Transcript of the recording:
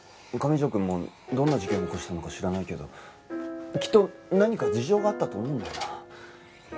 上条くんもどんな事件起こしたのか知らないけどきっと何か事情があったと思うんだよな。